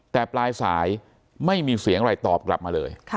แต่ปลายสายไม่มีเสียงอะไรตอบกลับมาเลย